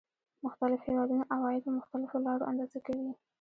مختلف هېوادونه عواید په مختلفو لارو اندازه کوي